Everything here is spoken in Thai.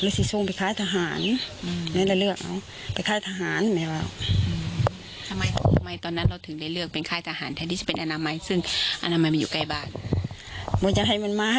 คิดถึงก็อดเอาค่ะคิดถึงค่ะค่ะ